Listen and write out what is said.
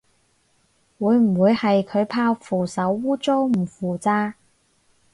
會唔會係佢怕扶手污糟唔扶咋